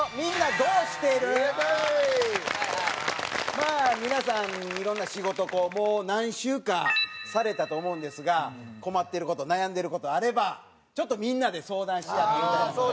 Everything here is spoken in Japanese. まあ皆さんいろんな仕事をもう何周かされたと思うんですが困ってる事悩んでる事あればちょっとみんなで相談し合っていきたいなと。